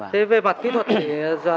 thế về mặt kỹ thuật thì